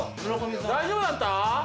大丈夫だった？